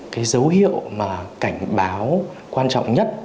cái dấu hiệu cảnh báo quan trọng nhất